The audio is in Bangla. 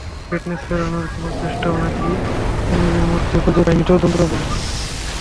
ফিটনেস ফেরানোর কোনো চেষ্টাও নাকি এমিলির মধ্যে খুঁজে পায়নি তদন্ত কমিটি।